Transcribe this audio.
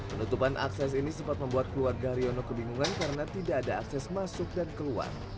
penutupan akses ini sempat membuat keluarga haryono kebingungan karena tidak ada akses masuk dan keluar